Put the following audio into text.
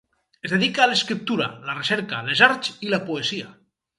Es dedica a l'escriptura, la recerca, les arts i la poesia.